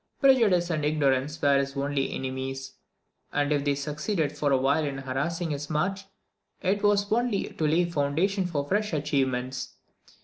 Prejudice and ignorance were his only enemies; and if they succeeded for a while in harassing his march, it was only to lay a foundation for fresh achievements.